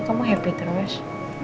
kamu happy terus